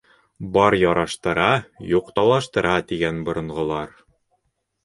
Бар яраштыра, юҡ талаштыра, тигән боронғолар.